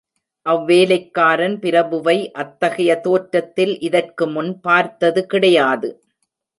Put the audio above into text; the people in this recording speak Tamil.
அவ் வேலைக்காரன் பிரபுவை அத்தகைய தோற்றத்தில் இதற்கு முன் பார்த்தது கிடையாது.